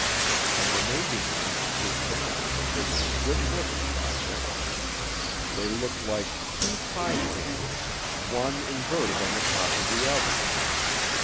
And the Navy man and his family had taken a good look at the objects they looked like "two pie pans, one inverted on the top of the other!"